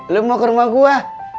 lo mau ke rumah gua